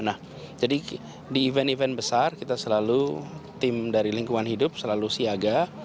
nah jadi di event event besar kita selalu tim dari lingkungan hidup selalu siaga